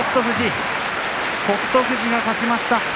富士が勝ちました。